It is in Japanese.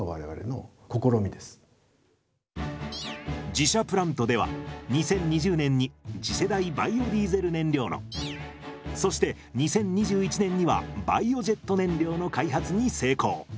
自社プラントでは２０２０年に次世代バイオディーゼル燃料のそして２０２１年にはバイオジェット燃料の開発に成功！